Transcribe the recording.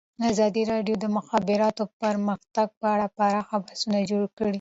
ازادي راډیو د د مخابراتو پرمختګ په اړه پراخ بحثونه جوړ کړي.